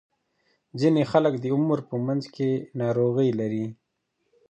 ځینې خلک د عمر په منځ کې ناروغۍ لري.